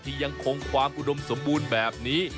ยังคงความอุดมสมบูรณ์แบบนี้